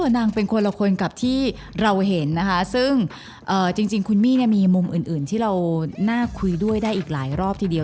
นางเป็นคนละคนกับที่เราเห็นนะคะซึ่งจริงคุณมี่มีมุมอื่นที่เราน่าคุยด้วยได้อีกหลายรอบทีเดียว